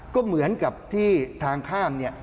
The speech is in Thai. ก็เหมือนกับที่ทางข้ามเนี่ย